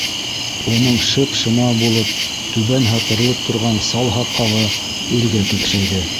Уның шып-шыма булып, түбән һыпырылып торған сал һаҡалы үргә кәкшәйҙе.